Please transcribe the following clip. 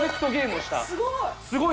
すごい！